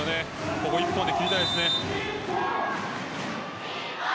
ここ、１本で切りたいですよね。